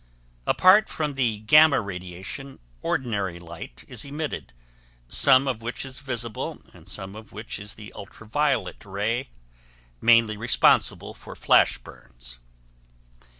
Apart from the gamma radiation ordinary light is emitted, some of which is visible and some of which is the ultra violet rays mainly responsible for flash burns.